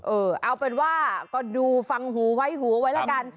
เออเอาเป็นว่าก็ดูฟังหูไว้หูไว้แล้วกัน